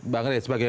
bang red sebagai